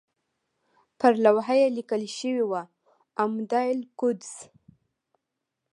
پر لوحه یې لیکل شوي وو اعمده القدس.